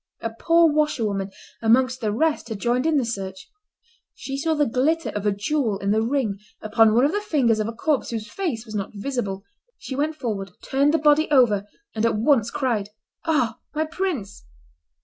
A poor washerwoman, amongst the rest, had joined in the search; she saw the glitter of a jewel in the ring upon one of the fingers of a corpse whose face was not visible; she went forward, turned the body over, and at once cried, "Ah! my prince!"